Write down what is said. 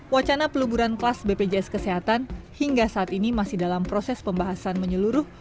wacana peluburan kelas bpjs kesehatan hingga saat ini masih dalam proses pembahasan menyeluruh